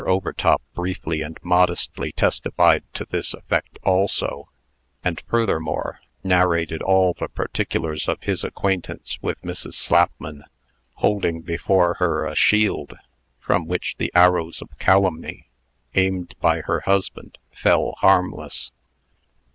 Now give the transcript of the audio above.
Overtop briefly and modestly testified to this effect also; and, furthermore, narrated all the particulars of his acquaintance with Mrs. Slapman, holding before her a shield, from which the arrows of calumny, aimed by her husband, fell harmless.